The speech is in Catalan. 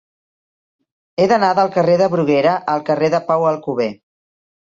He d'anar del carrer de Bruguera al carrer de Pau Alcover.